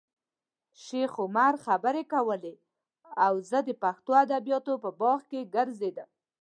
شیخ عمر خبرې کولې او زه د پښتو ادبیاتو په باغ کې ګرځېدم.